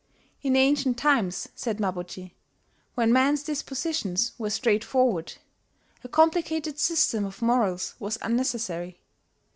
"In ancient times," said Mabuchi, "when men's dispositions were straightforward, a complicated system of morals was unnecessary.